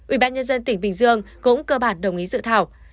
ubnd tỉnh bình dương cũng cơ bản đồng ý dự thảo